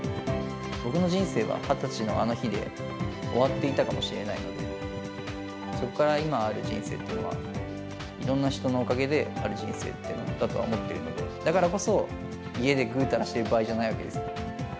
僕の人生は２０歳のあの日で終わっていたかもしれないので、そこから今ある人生っていうのは、いろんな人のおかげである人生って僕は思っているので、だからこそ家でぐうたらしている場合じゃないわけですよ。